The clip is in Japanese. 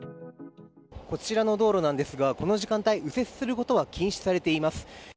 こちらの道路なんですがこの時間帯右折することは禁止されています。